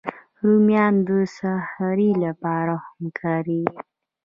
رومیان د سحري لپاره هم کارېږي